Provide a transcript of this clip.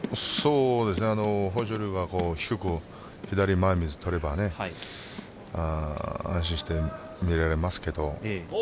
豊昇龍が低く左前みつ取れば安心して見られますけど。